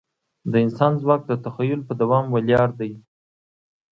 د انسان ځواک د تخیل په دوام ولاړ دی.